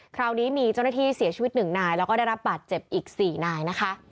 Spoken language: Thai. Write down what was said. คราวนี้มีเจ้าหน้าที่เสียชีวิต๑นายแล้วก็ได้รับบาดเจ็บอีก๔นายนะคะ